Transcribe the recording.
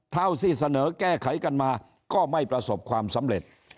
เท่าที่เสนอแก้ไขกันมาก็ไม่ประสบความสำเร็จ